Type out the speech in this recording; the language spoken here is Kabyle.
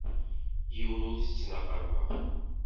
Yiwen ur t-ttnaqameɣ.